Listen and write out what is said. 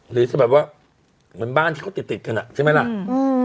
หรือจะแบบว่าเหมือนบ้านที่เขาติดติดกันอ่ะใช่ไหมล่ะอืม